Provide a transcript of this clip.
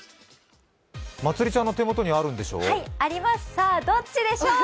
まつりちゃんの手元にあるんでしょう？